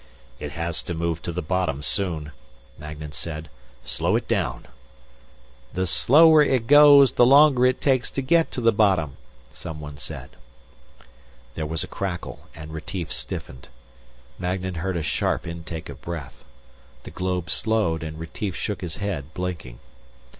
"It has to move to the bottom soon," Magnan said. "Slow it down." "The slower it goes, the longer it takes to get to the bottom," someone said. There was a crackle and Retief stiffened. Magnan heard a sharp intake of breath. The globe slowed, and Retief shook his head, blinking.